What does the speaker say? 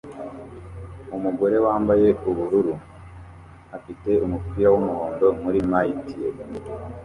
Umugore wambaye ubururu afite umupira wumuhondo muri mitt ye